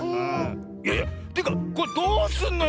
いやいやというかこれどうすんのよ